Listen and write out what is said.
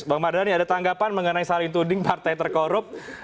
bang mardhani ada tanggapan mengenai saling tuding partai terkorup